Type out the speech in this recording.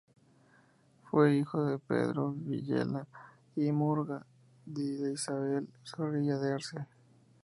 Fue hijo de Pedro de Villela y Murga y de Isabel Zorrilla de Arce.